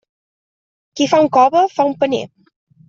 Qui fa un cove, fa un paner.